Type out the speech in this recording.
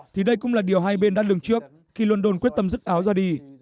thì đây cũng là điều hai bên đắt lường trước khi london quyết tâm rứt áo ra đi